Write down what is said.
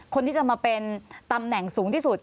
คนที่จะมาเป็นตำแหน่งสูงที่สุด